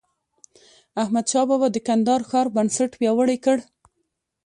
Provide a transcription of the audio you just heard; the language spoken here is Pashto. احمدشاه بابا د کندهار ښار بنسټ پیاوړی کړ.